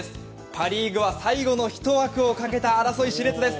パ・リーグは最後の１枠をかけた争いが熾烈です。